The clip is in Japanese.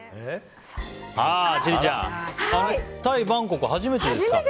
千里ちゃん、タイ・バンコクは初めてですか。